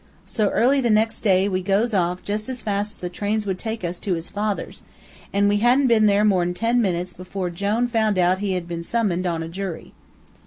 "So, early the nex' day, we goes off jus' as fast as trains would take us to his father's, an' we hadn't been there mor'n ten minutes, before Jone found out he had been summoned on a jury.